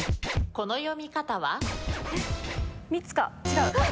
この読み方は？